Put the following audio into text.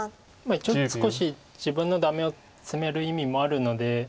一応少し自分のダメをツメる意味もあるので。